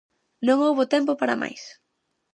Non houbo tempo para máis.